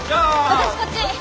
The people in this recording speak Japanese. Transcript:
私はこっち。